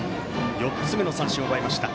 ４つ目の三振を奪いました